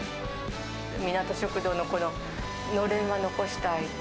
みなと食堂のこののれんは残したい。